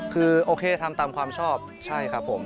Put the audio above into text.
คือโอเคทำตามความชอบใช่ครับผม